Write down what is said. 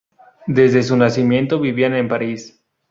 Desde su nacimiento vivían en París.